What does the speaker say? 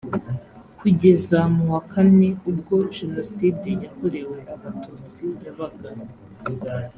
kugeza mu wa kane ubwo jenoside yakorewe abatutsi yabaga